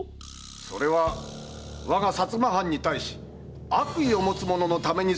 〔それは我が薩摩藩に対し悪意を持つ者のためにする噂でしょう〕